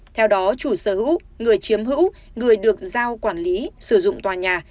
theo đó chủ sở hữu người chiếm hữu người được giao quản lý sử dụng tòa nhà